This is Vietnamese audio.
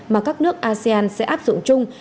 mà các nước asean sẽ áp dụng chung